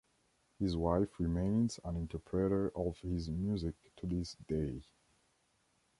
His wife remains an interpreter of his music to this day.